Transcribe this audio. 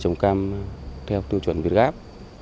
trồng cam theo tư chuẩn việt gáp